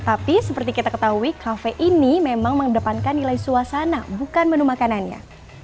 tapi seperti kita ketahui kafe ini memang mengedepankan nilai suasana bukan menu makanannya